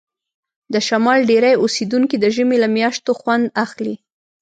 د شمال ډیری اوسیدونکي د ژمي له میاشتو خوند اخلي